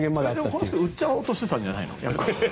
この人、売っちゃおうとしてたんじゃないの？